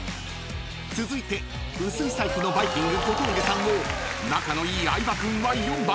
［続いて薄い財布のバイきんぐ小峠さんを仲のいい相葉君は４番］